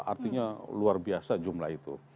artinya luar biasa jumlah itu